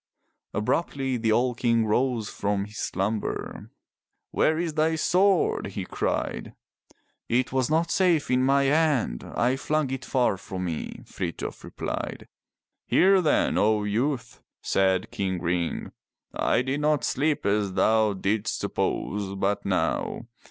Abruptly the old King rose from his slumber. Where is thy sword?" he cried. "It was not safe in my hand. I flung it far from me," Frith jof replied. "Hear then, O youth," said King Ring. "I did not sleep as thou didst suppose but now.